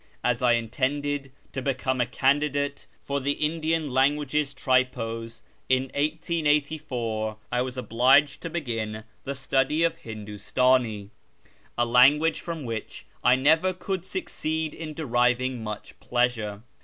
As I intended to become a candidate for the Indian Languages Tripos in 1884, I was obliged to begin the study of Hindustani, a language from which I never could succeed in deriving much pleasure.